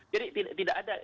jadi tidak ada